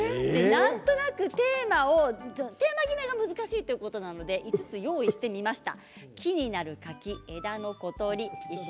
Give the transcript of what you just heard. なんとなくテーマ決めが難しいということなので５つ用意しました。